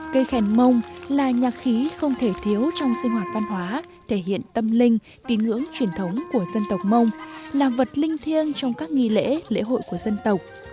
cây khen mông là nhạc khí không thể thiếu trong sinh hoạt văn hóa thể hiện tâm linh tín ngưỡng truyền thống của dân tộc mông là vật linh thiêng trong các nghi lễ lễ hội của dân tộc